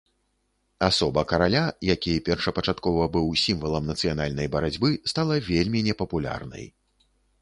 Асоба караля, які першапачаткова быў сімвалам нацыянальнай барацьбы, стала вельмі непапулярнай.